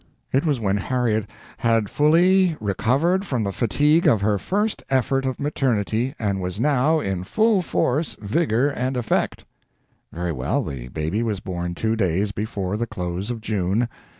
It was when Harriet "had fully recovered from the fatigue of her first effort of maternity... and was now in full force, vigor, and effect." Very well, the baby was born two days before the close of June.